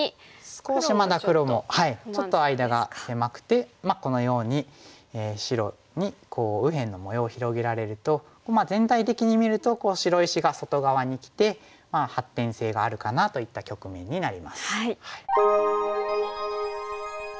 少しまだ黒もちょっと間が狭くてこのように白に右辺の模様を広げられると全体的に見ると白石が外側にきて発展性があるかなといった局面になります。